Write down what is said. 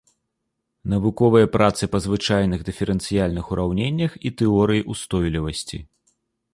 Навуковыя працы па звычайных дыферэнцыяльных ураўненнях і тэорыі ўстойлівасці.